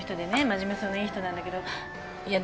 真面目そうないい人なんだけど。いや。